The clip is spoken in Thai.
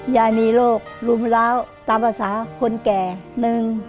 ยายมีโรครุมร้าวตามภาษาคนแก่หนึ่ง